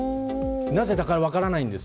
なぜだか分からないんです。